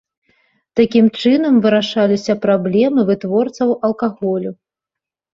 Такім чынам вырашаліся праблемы вытворцаў алкаголю.